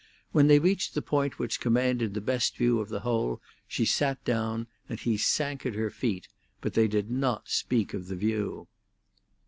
When they reached the point which commanded the best view of the whole, she sat down, and he sank at her feet, but they did not speak of the view.